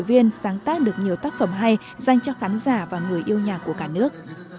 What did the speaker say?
hội viên sáng tác được nhiều tác phẩm hay dành cho khán giả và người yêu nhạc của cả nước